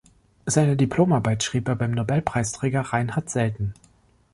Seine Diplomarbeit schrieb er beim Nobelpreisträger Reinhard Selten.